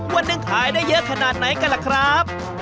วันหนึ่งขายได้เยอะขนาดไหนกันล่ะครับ